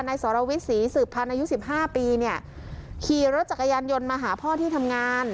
ในสรวิศรี๑๐๐๐๐อายุ๑๕ปีขี่รถจักรยานยนต์มาหาพ่อที่ทำงาน